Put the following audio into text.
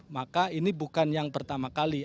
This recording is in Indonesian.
maka ini bukan yang pertama kali